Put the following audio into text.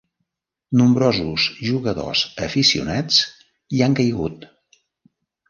Nombrosos jugadors aficionats hi han caigut.